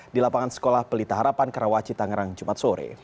di lapangan sekolah pelita harapan karawaci tangerang jumat sore